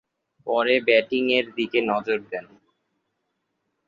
পরে ব্যাটিংয়ের দিকে নজর দেন।